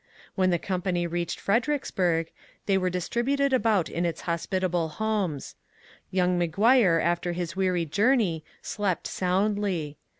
When the company reached Fred ericksburg they were distributed about in its hospitable homes. Young McGuire after his weary journey slept soundly.